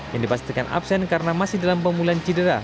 yang dipastikan absen karena masih dalam pemulihan cedera